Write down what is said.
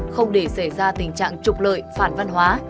không để xảy ra tình trạng trục lợi phản văn hóa